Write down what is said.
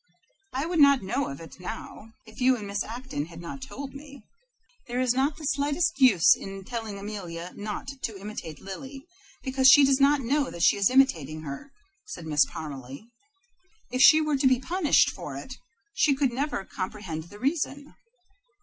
I would not know of it now, if you and Miss Acton had not told me." "There is not the slightest use in telling Amelia not to imitate Lily, because she does not know that she is imitating her," said Miss Parmalee. "If she were to be punished for it, she could never comprehend the reason."